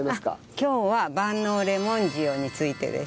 今日は万能レモン塩についてです。